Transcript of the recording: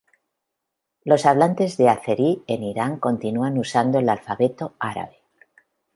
Los hablantes de azerí en Irán continúan usando el alfabeto árabe.